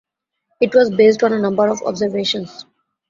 It was based on a number of observations.